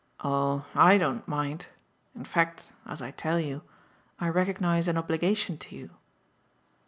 "Oh I don't mind. In fact, as I tell you, I recognise an obligation to you."